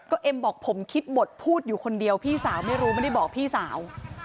ก็เอ็มบอกผมคิดบทพูดอยู่คนเดียวพี่สาวไม่รู้ไม่ได้บอกพี่สาว